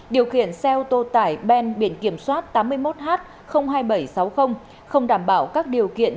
điều khiển xe ô tô tải ben biển kiểm soát tám mươi một h hai nghìn bảy trăm sáu mươi không đảm bảo các điều kiện